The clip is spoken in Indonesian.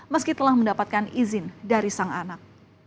meski telah mendapatkan izin dari sang anak